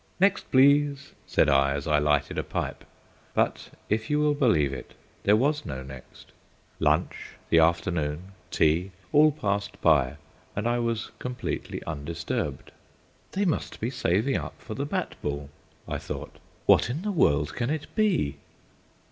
"Next, please!" said I, as I lighted a pipe; but if you will believe it, there was no next. Lunch, the afternoon, tea, all passed by, and I was completely undisturbed. "They must be saving up for the bat ball," I thought. "What in the world can it be?"